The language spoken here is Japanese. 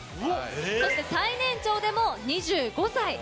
そして最年長でも２５歳。